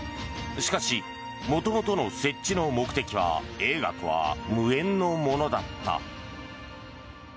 しかし、元々の設置の目的は映画とは無縁のものだった。